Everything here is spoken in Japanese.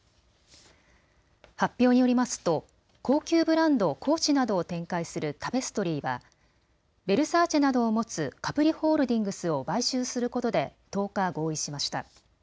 発表によりますと高級ブランド、コーチなどを展開するタペストリーはヴェルサーチェなどを持つカプリ・ホールディングスを買収することで１０日、合意しました。